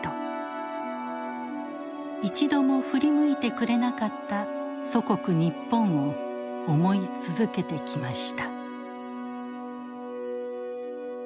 一度も振り向いてくれなかった祖国日本を思い続けてきました。